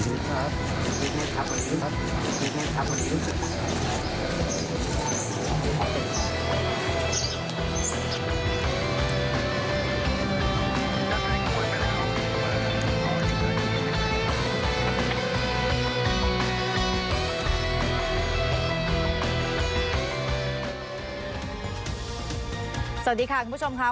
สวัสดีครับคุณผู้ชมครับ